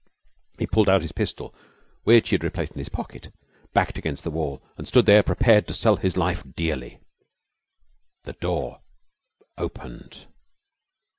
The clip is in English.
He pulled out his pistol, which he had replaced in his pocket, backed against the wall, and stood there prepared to sell his life dearly. The door opened.